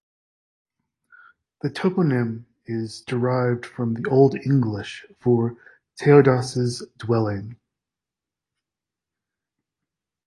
The toponym is derived from the Old English for "Teoda's dwelling".